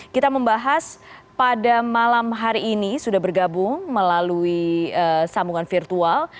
kita membahas pada malam hari ini sudah bergabung melalui sambungan virtual